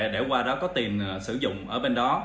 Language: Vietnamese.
để qua đó có tiền sử dụng ở bên đó